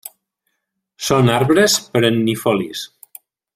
Són arbres perennifolis.